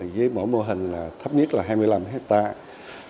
với mỗi mô hình thấp nhất là hai mươi năm hectare